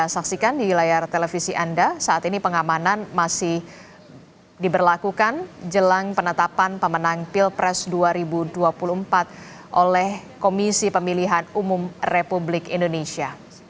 saksikan di layar televisi anda saat ini pengamanan masih diberlakukan jelang penetapan pemenang pilpres dua ribu dua puluh empat oleh komisi pemilihan umum republik indonesia